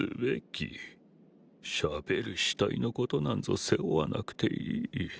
喋る死体のことなんぞ背負わなくていい。